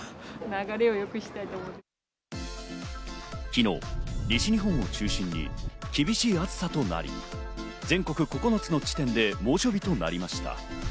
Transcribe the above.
昨日、西日本を中心に厳しい暑さとなり、全国９つの地点で猛暑日となりました。